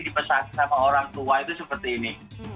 dipesan sama orang tua itu seperti ini